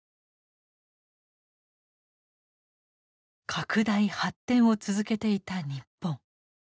拡大発展を続けていた日本。